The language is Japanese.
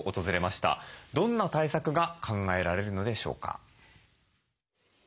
どんな対策が考えられるのでしょうか。